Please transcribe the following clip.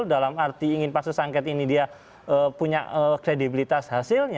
dalam arti ingin pansus angket ini dia punya kredibilitas hasilnya